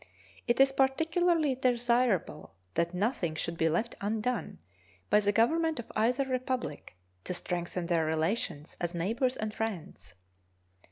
It is particularly desirable that nothing should be left undone by the Government of either Republic to strengthen their relations as neighbors and friends.